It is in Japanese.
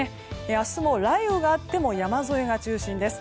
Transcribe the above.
明日も雷雨があっても山沿いが中心です。